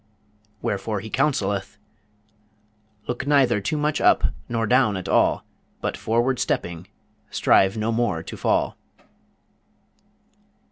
Wherefore he counselleth: Look neither too much up, nor down at all, But, forward stepping, strive no more to fall.